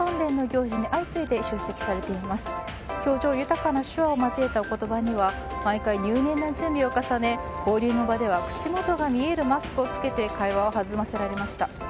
表情豊かな手話を交えたお言葉には毎回入念な準備を重ね交流の場では口元が見えるマスクを着けて会話を弾まされました。